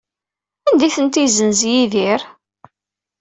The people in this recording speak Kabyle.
Anda ay tent-yessenz Yidir?